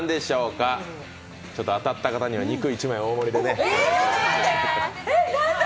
当たった方には肉１枚大盛りでね。